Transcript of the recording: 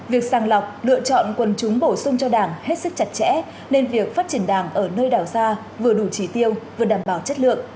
việc sàng lọc lựa chọn quần chúng bổ sung cho đảng hết sức chặt chẽ nên việc phát triển đảng ở nơi đảo xa vừa đủ trí tiêu vừa đảm bảo chất lượng